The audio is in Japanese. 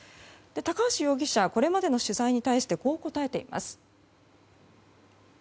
高橋容疑者はこれまでの取材に対してこう答えています。